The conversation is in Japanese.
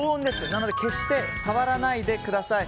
なので決して触らないでください。